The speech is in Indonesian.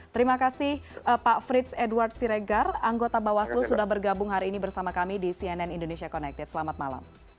terima kasih pak frits edward siregar anggota bawaslu sudah bergabung hari ini bersama kami di cnn indonesia connected selamat malam